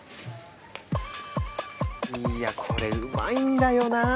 いやあこれうまいんだよな夏浪漫。